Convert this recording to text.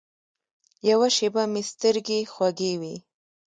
یوه شېبه مې سترګې خوږې وې.